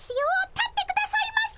立ってくださいませ！